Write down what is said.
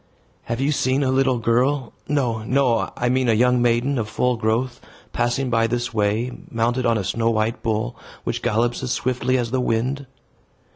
"Have you seen a little girl no, no, I mean a young maiden of full growth passing by this way, mounted on a snow white bull, which gallops as swiftly as the wind?"